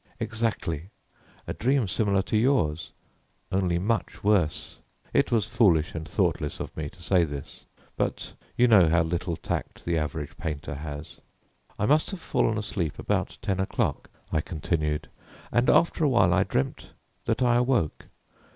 "Exactly. A dream similar to yours, only much worse." It was foolish and thoughtless of me to say this, but you know how little tact the average painter has. "I must have fallen asleep about ten o'clock," I continued, "and after a while I dreamt that I awoke.